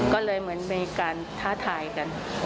ก็เลยเหมือนมีการท้าทายกัน